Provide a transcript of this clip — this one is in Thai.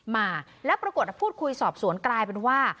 มาแล้วปรากฏพูดคุยสอบสวนกลายเป็นว่า